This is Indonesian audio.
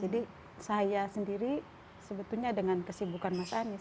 jadi saya sendiri sebetulnya dengan kesibukan mas anies